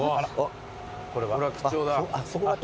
これは貴重だ。